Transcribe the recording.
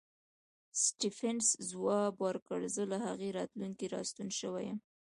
سټېفنس ځواب ورکوي زه له هغې راتلونکې راستون شوی یم